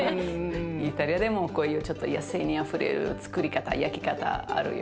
イタリアでもこういうちょっと野性味あふれるつくり方焼き方あるよ。